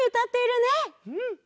うん！